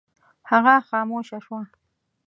هغه خاموشه شوه.